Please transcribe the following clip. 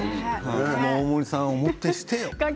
その大森さんをもってして。